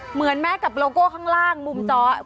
เหมือนแม้กับโลโก้ข้างล่างมุมเจาะ